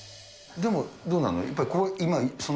でも、どうなの？